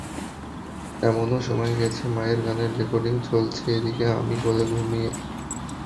এমনও সময় গেছে মায়ের গানের রেকর্ডিং চলছে, এদিকে আমি কোলে ঘুমিয়ে।